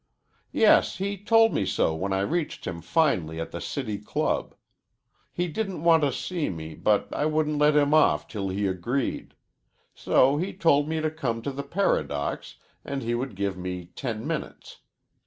"Yes, he told me so when I reached him finally at the City Club. He didn't want to see me, but I wouldn't let him off till he agreed. So he told me to come to the Paradox and he would give me ten minutes.